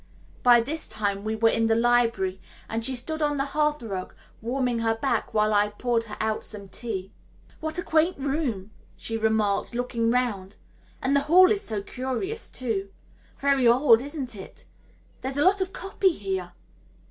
By this time we were in the library, and she stood on the hearth rug warming her back while I poured her out some tea. "What a quaint room," she remarked, looking round, "and the hall is so curious too. Very old, isn't it? There's a lot of copy here."